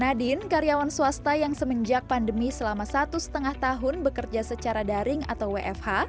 nadine karyawan swasta yang semenjak pandemi selama satu setengah tahun bekerja secara daring atau wfh